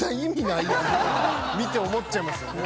見て思っちゃいますよね